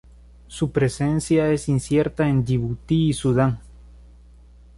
Su presencia es incierta en Djibouti y Sudán.